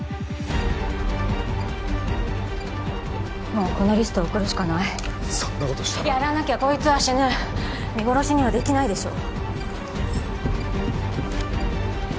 もうこのリストを送るしかないそんなことしたらやらなきゃこいつは死ぬ見殺しにはできないでしょ